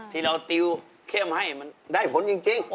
ที่เราติวเข้มให้มันได้ผลจริง